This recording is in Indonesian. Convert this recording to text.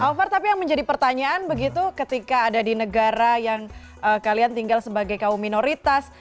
novar tapi yang menjadi pertanyaan begitu ketika ada di negara yang kalian tinggal sebagai kaum minoritas